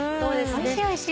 おいしいおいしい。